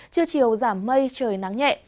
trưa chiều giảm mây trời nắng nhẹ